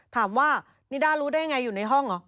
ถามว่านิด้ารู้ได้ไงอยู่ในห้องเหรอ